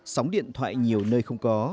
sóng điện thoại nhiều nơi không có